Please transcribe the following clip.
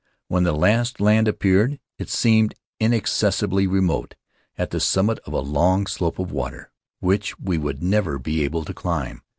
When at last land appeared it seemed inaccessibly remote, at the summit of a long slope of water which we would never be able to climb.